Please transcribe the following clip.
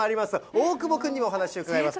大久保君にもお話伺います。